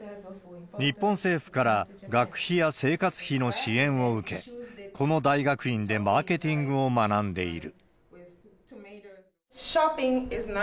日本政府から学費や生活費の支援を受け、この大学院でマーケティングを学んでいる。